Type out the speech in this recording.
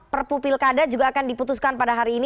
perpupilkada juga akan diputuskan pada hari ini